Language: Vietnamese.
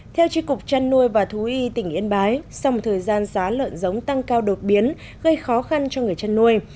theo tri cục trăn nuôi và thú y tỉnh yên bái sòng thời gian giá lợn giống tăng cao đột biến gây khó khăn cho người chăn nuôi